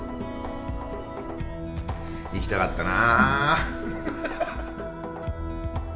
行きたかったな。